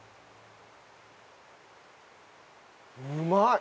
うまい！